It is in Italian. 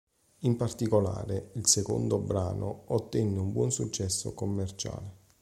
In particolare il secondo brano ottenne un buon successo commerciale.